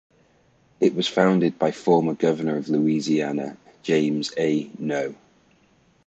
It was founded by former Governor of Louisiana James A. Noe.